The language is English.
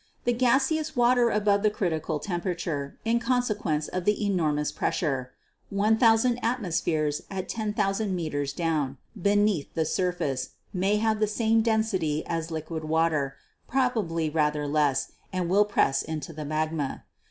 The gaseous water above the critical temperature, in consequence of the enormous pressure (1,000 atmospheres at 10,000 meters down) beneath the surface, may have the same density as liquid water, probably rather less, and will press into the magma.